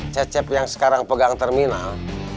cecep yang sekarang pegang terminal